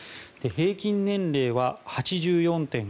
平均年齢は８４．５３歳。